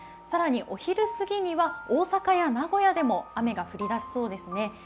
更にお昼過ぎには大阪や名古屋でも雨が降り出しそうですね。